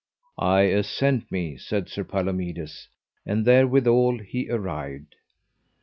I assent me, said Sir Palomides; and therewithal he arrived.